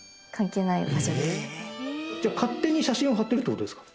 じゃあ勝手に写真を貼ってるって事ですか？